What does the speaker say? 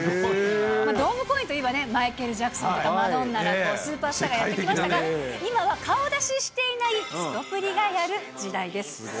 ドーム公演といえば、マイケル・ジャクソンとか、マドンナだとか、スーパースターがやって来ましたが、今は顔出ししていない、すとぷりがやる時代です。